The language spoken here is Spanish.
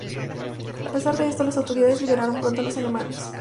A pesar de esto, las autoridades liberaron pronto a los alemanes.